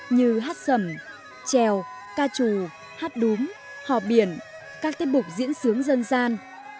như hát sầm trèo ca trù hát đúm họ biển các tiếp mục diễn sướng dân gian